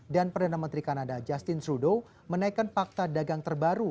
dan perdana menteri kanada justin trudeau menaikkan pakta dagang terbaru